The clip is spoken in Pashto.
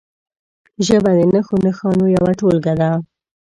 ژبه د نښو نښانو یوه ټولګه ده.